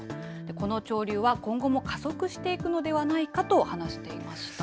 この潮流は、今後も加速していくのではないかと話していました。